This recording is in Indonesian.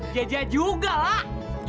jajah juga lah